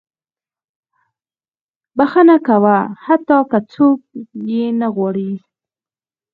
• بښنه کوه، حتی که څوک یې نه غواړي.